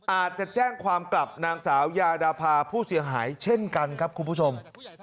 อาจจะแจ้งความกลับนางสาวยาดาพาผู้เสียหายเช่นกันครับคุณผู้ชม